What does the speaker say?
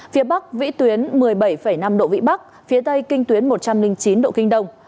phía bắc vĩ tuyến một mươi bảy năm độ vĩ bắc phía tây kinh tuyến một trăm linh chín độ kinh đông